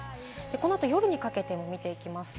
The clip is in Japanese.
このあと夜にかけてみていきます。